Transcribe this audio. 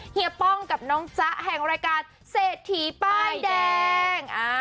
เฮีป้องกับน้องจ๊ะแห่งรายการเศรษฐีป้ายแดง